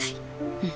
うん。